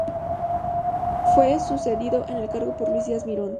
Fue sucedido en el cargo por Luis Díaz Mirón.